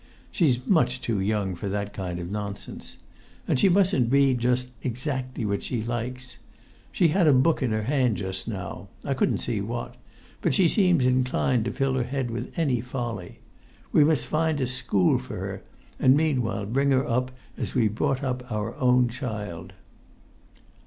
She's much too young for that kind of nonsense. And she mustn't read just exactly what she likes. She had a book in her hand just now—I couldn't see what—but she seems inclined to fill her head with any folly. We must find a school for her, and meanwhile bring her up as we've brought up our own child."